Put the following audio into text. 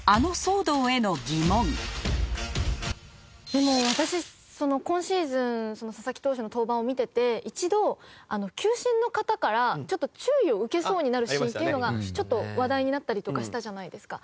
でも私今シーズン佐々木投手の登板を見てて一度球審の方からちょっと注意を受けそうになるシーンっていうのがちょっと話題になったりとかしたじゃないですか。